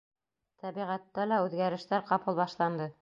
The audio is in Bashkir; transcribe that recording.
Тәбиғәттә лә үҙгәрештәр ҡапыл башланды.